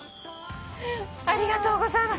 ありがとうございます。